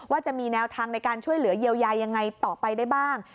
จะมีแนวทางในการช่วยเหลือเยียวยายังไงต่อไปได้บ้าง